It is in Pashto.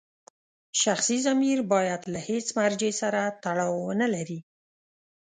شخصي ضمیر باید له هېڅ مرجع سره تړاو ونلري.